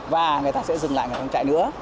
và người ta sẽ dừng lại người ta chạy nữa